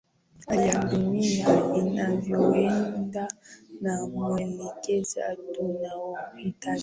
hali ya dunia inavyoenda na mwelekeza tunaohitaji